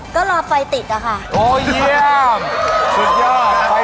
โชคความแม่นแทนนุ่มในศึกที่๒กันแล้วล่ะครับ